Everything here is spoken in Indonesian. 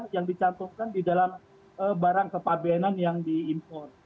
yang dicampungkan di dalam barang kepabianan yang diimpor